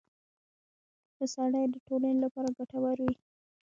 • ښه سړی د ټولنې لپاره ګټور وي.